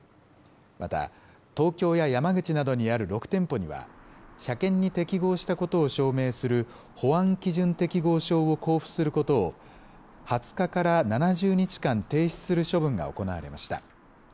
また、東京や山口などにある６店舗には、車検に適合したことを証明する保安基準適合証を交付することを、２０日から７０日間停止する処分が行われました。